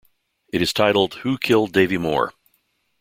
It is titled Who Killed Davey Moore?